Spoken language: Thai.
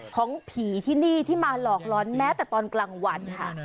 ของผีที่นี่ที่มาหลอกร้อนแม้แต่ตอนกลางวันค่ะ